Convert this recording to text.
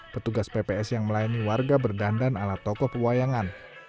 petugas tps yang melayani warga berdandan ala tokoh pawayangan